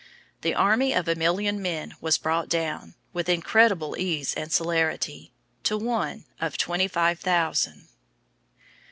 The army of a million men was brought down, with incredible ease and celerity, to one of twenty five thousand.